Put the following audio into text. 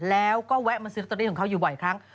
แล้วก็แวะมาซื้อลอตเตอรี่ของเขาอยู่บ่อยครั้ง